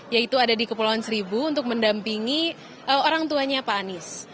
yaitu ada di kepulauan seribu untuk mendampingi orang tuanya pak anies